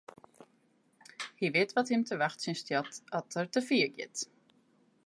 Hy wit wat him te wachtsjen stiet as er te fier giet.